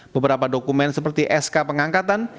beberapa dokumen seperti sk pengangkatan